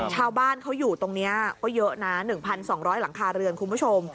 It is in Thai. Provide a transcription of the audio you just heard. ชาวบ้านเขาอยู่ตรงนี้ก็เยอะนะ๑๒๐๐หลังคาเรือนคุณผู้ชม